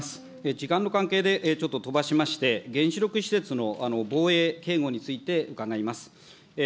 時間の関係でちょっと飛ばしまして、原子力施設の防衛・警護について伺います。